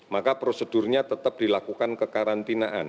maka prosedurnya tetap dilakukan kekarantinaan